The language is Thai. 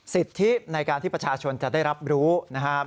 สิทธิในการที่ประชาชนจะได้รับรู้นะครับ